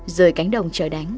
rời cánh đồng trời đánh